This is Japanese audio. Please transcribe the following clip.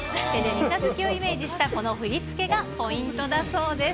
三日月をイメージしたこの振り付けがポイントだそうです。